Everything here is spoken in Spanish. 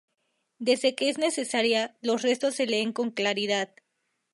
Desde que es necesaria, los restos se leen con claridad.